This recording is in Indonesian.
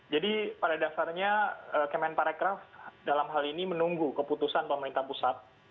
jadi pada dasarnya kemenparekraf dalam hal ini menunggu keputusan pemerintah pusat